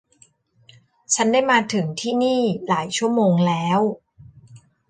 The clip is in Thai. ฉันได้มาถึงที่นี่หลายชั่วโมงแล้ว